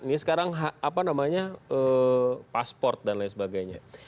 ini sekarang apa namanya pasport dan lain sebagainya